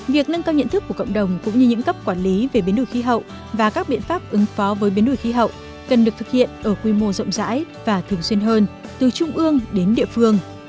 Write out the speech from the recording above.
việc nâng cao nhận thức của cộng đồng cũng như những cấp quản lý về biến đổi khí hậu và các biện pháp ứng phó với biến đổi khí hậu cần được thực hiện ở quy mô rộng rãi và thường xuyên hơn từ trung ương đến địa phương